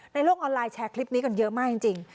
โลกออนไลน์แชร์คลิปนี้กันเยอะมากจริง